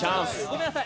ごめんなさい！